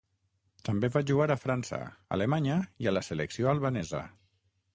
També va jugar a França, Alemanya, i a la selecció albanesa.